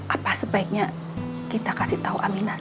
apa sebaiknya kita kasih tahu aminah